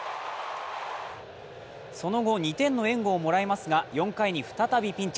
その後、２点の援護をもらいますが４回に再びピンチ。